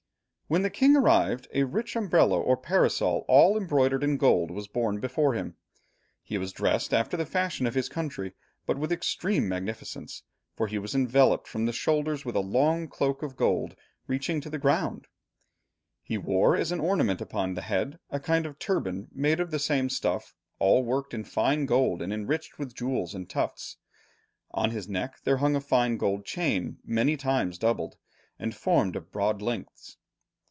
"When the king arrived, a rich umbrella or parasol all embroidered in gold was borne before him. He was dressed after the fashion of his country, but with extreme magnificence, for he was enveloped from the shoulders with a long cloak of cloth of gold reaching to the ground. He wore as an ornament upon the head, a kind of turban made of the same stuff, all worked in fine gold and enriched with jewels and tufts. On his neck there hung a fine gold chain many times doubled, and formed of broad links.